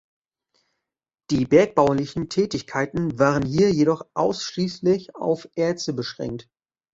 Die bergbaulichen Tätigkeiten waren hier jedoch ausschließlich auf Erze beschränkt.